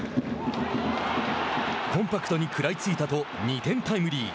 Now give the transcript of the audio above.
コンパクトに食らいついたと２点タイムリー。